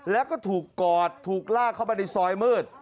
แล้วก็ถูกกอดถูกลากเข้ามาในซอยมืด